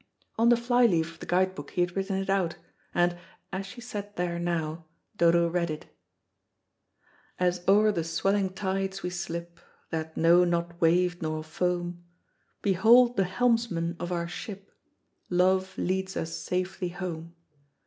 On the fly leaf of the guide book he had written it out, and, as she sat there now, Dodo read it. As o'er the swelling tides we slip That know not wave nor foam, Behold the helmsman of our ship, Love leads us safely home.